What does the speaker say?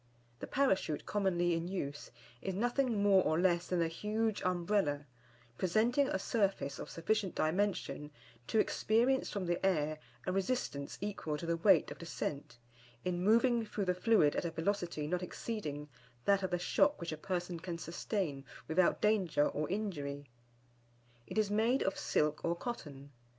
The Parachute commonly in use is nothing more or less than a huge Umbrella, presenting a surface of sufficient dimension to experience from the air a resistance equal to the weight of descent, in moving through the fluid at a velocity not exceeding that of the shock which a person can sustain without danger or injury. It is made of silk or cotton.